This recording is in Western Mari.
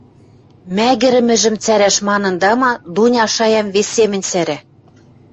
Мӓгӹрӹмӹжӹм цӓрӓш манын, тама, Дуня шаям вес семӹнь сӓра.